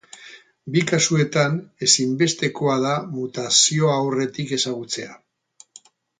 Bi kasuetan, ezinbestekoa da mutazioa aurretik ezagutzea.